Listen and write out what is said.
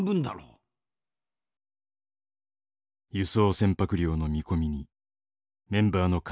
輸送船舶量の見込みにメンバーの関心が集中した。